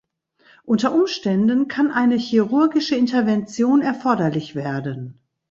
Unter Umständen kann eine chirurgische Intervention erforderlich werden.